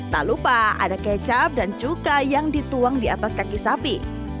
tak lupa ada kecap dan cukai yang dituang di atas kaki sapi